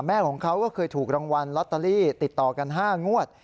ของเขาก็เคยถูกรางวัลลอตเตอรี่ติดต่อกัน๕งวด